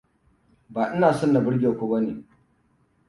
Ba ina son na burge ku bane.